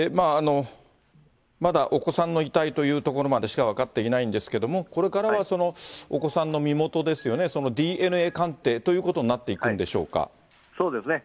まだお子さんの遺体というところまでしか分かっていないんですけれども、これからは、お子さんの身元ですよね、ＤＮＡ鑑定ということになっていくんでそうですね。